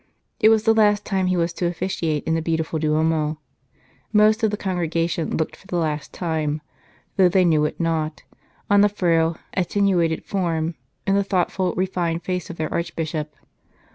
It was the last time he was to officiate in the beautiful Duomo ; most of the congregation looked for the last time though they knew it not on the frail, attenuated form and the thoughtful, refined face of their Archbishop.